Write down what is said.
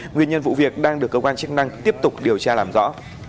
nguyên nhân vụ việc đang được cơ quan chức năng tiếp tục điều tra làm rõ